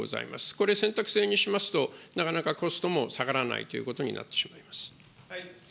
これ、選択制にしますと、なかなかコストも下がらないということになってしまいます。